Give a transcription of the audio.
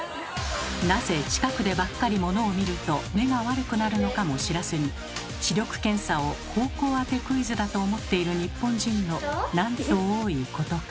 なぜ近くでばっかりモノを見ると目が悪くなるのかも知らずに視力検査を方向当てクイズだと思っている日本人のなんと多いことか。